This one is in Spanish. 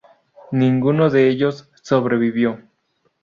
Ninguno de ellos sobrevivió.